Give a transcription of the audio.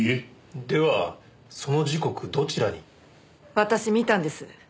私見たんです。